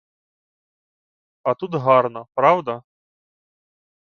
А тут гарно, правда?